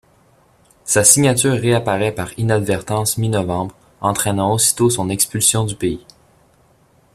Sa signature réapparaît par inadvertance mi novembre, entraînant aussitôt son expulsion du pays.